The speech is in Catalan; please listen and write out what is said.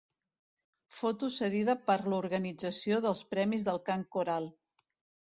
Foto cedida per l'organització dels Premis del Cant Coral.